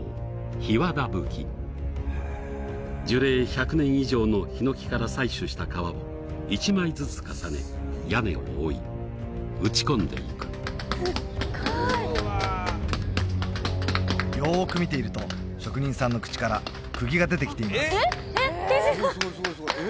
檜皮葺樹齢１００年以上のヒノキから採取した皮を１枚ずつ重ね屋根を覆い打ち込んでいくよく見ていると職人さんの口から釘が出てきています